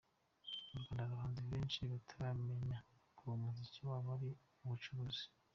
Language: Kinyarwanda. Mu Rwanda hari abahanzi benshi bataramenya ko umuziki wabo ari ubucuruzi.